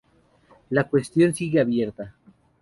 La cuestión sigue abierta.